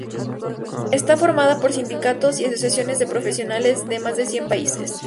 Está formada por sindicatos y asociaciones de profesionales de más de cien países.